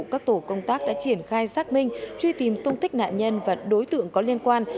các tổ công tác đã triển khai xác minh truy tìm tung tích nạn nhân và đối tượng có liên quan